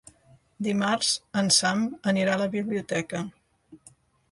Dimarts en Sam anirà a la biblioteca.